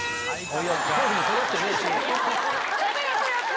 ポーズもそろってねえし。